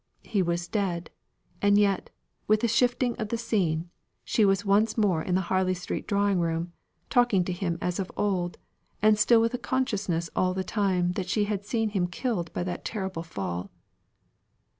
He was dead. And yet, with a shifting of the scene, she was once more in the Harley Street drawing room, talking to him as of old, and still with a consciousness all the time that she had seen him killed by that terrible fall.